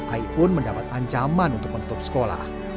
ai pun mendapat ancaman untuk menutup sekolah